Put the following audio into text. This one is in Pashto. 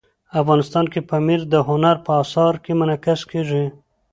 افغانستان کې پامیر د هنر په اثار کې منعکس کېږي.